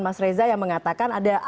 mas reza yang mengatakan